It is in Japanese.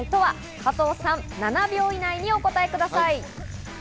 加藤さん７秒以内にお答えください。